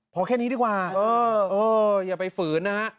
พอแค่นี้ดีกว่าอย่าไปฝืนนะฮะ